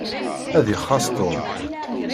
Ad ixaṣ Tom.